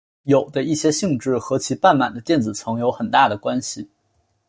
铕的一些性质和其半满的电子层有很大的关系。